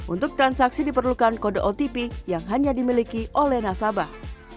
untuk transaksi diperlukan kode otp yang hanya dimiliki oleh nasabah